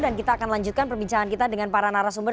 dan kita akan lanjutkan perbincangan kita dengan para narasumber